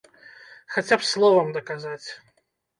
Хаця б словам даказаць!